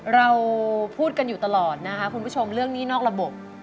เราพูดกันอยู่ตลอดนะคะคุณผู้ชมเรื่องนี้นอกระบบ